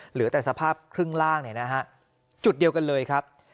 เหลือแต่สภาพครึ่งร่างจุดเดียวกันเลยครับ